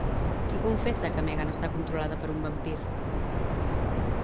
Qui confessa que Megan està controlada per un vampir?